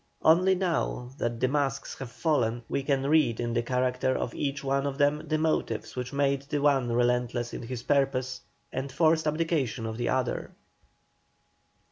Only now that the masks have fallen we can read in the character of each one of them the motives which made the one relentless in his purpose and forced abdication on the other.